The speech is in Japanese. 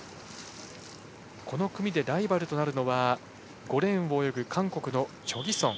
この組でライバルとなるのは５レーン、韓国のチョ・ギソン。